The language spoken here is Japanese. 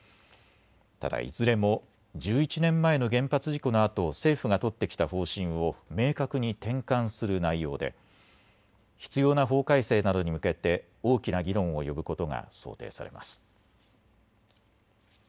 ただいずれも１１年前の原発事故のあと政府が取ってきた方針を明確に転換する内容で、必要な法改正などに向けて大きな議論を呼ぶことが想定されます。